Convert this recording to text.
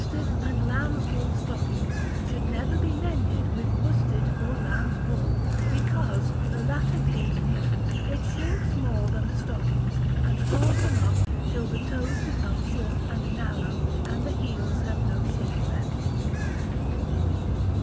Worsted and Lambs' Wool stockings should never be mended with worsted or lambs' wool, because, the latter being new, it shrinks more than the stockings, and draws them up till the toes become short and narrow, and the heels have no shape left.